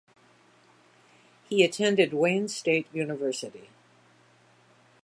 He attended Wayne State University.